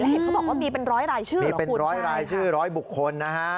เห็นเขาบอกว่ามีเป็นร้อยรายชื่อมีเป็นร้อยรายชื่อร้อยบุคคลนะฮะ